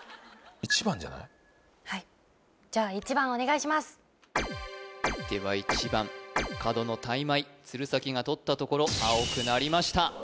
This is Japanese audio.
はいじゃあでは１番角のタイマイ鶴崎が取ったところ青くなりました